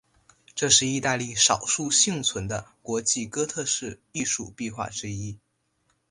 这是意大利少数幸存的国际哥特式艺术壁画之一。